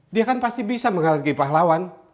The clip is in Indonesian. dia kan pasti bisa menghargai pahlawan